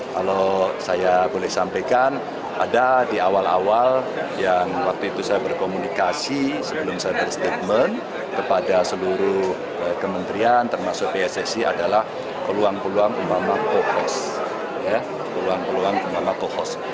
kalau saya boleh sampaikan ada di awal awal yang waktu itu saya berkomunikasi sebelum saya berstatement kepada seluruh kementerian termasuk pssc adalah peluang peluang umama pohos